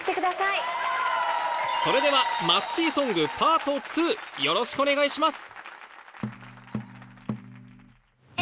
それでは「マッチソングパート２」よろしくお願いします！